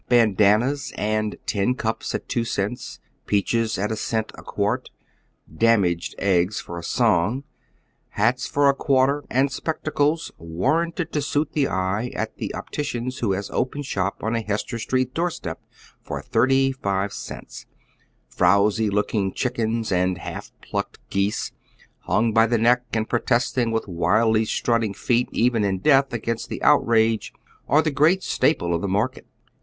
Bandan nas and tin cnps at two cents, peaches at a cent a quait, *' damaged " eggs for a song, hats for a quarter, and spec tacles, warranted to suit the eye, at the optician's who has Opened shop ou a Hester Street door step, for tliirty five cents ; frowsy looking chickens and half plucked geese, hung by the neck and protesting with wildly strutting feet even in death against the outrage, are the great staple of the market.